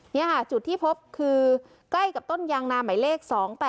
นี่ค่ะจุดที่พบคือใกล้กับต้นยางนาหมายเลข๒๘๘